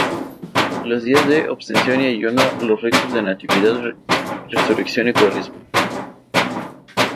Los días de abstención y ayuno, los ritos de natividad, resurrección y cuaresma.